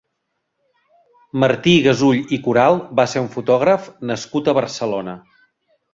Martí Gasull i Coral va ser un fotògraf nascut a Barcelona.